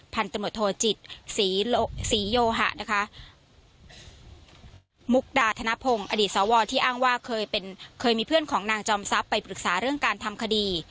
พันตำรวจโทจิตศรีโยหะมุกดาธนพงศ์อดีตสวที่อ้างว่าเคยมีเพื่อนของนางจอมซับไปปรึกษาเรื่องการทำคดี